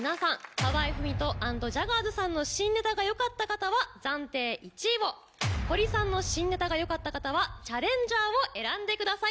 河合郁人＆ジャガーズさんの新ネタがよかった方は暫定１位をホリさんの新ネタがよかった方はチャレンジャーを選んでください。